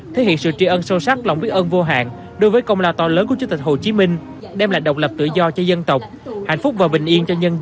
thể hiện sự tri ân sâu sắc lòng biết ân vô hạn đối với công lao to lớn của chủ tịch hồ chí minh